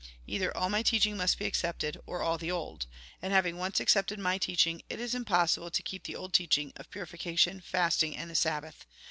Either all my teaching must be accepted, or all the old. And having once accepted my teaching, it is impossible to keep the old teaching, of purification, fasting, and the Sabbath.